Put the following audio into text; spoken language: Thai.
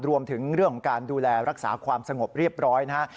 รวมถึงเรื่องของการดูแลรักษาความสงบเรียบร้อยนะฮะ